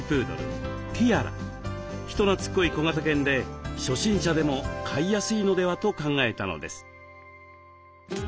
人なつっこい小型犬で初心者でも飼いやすいのではと考えたのです。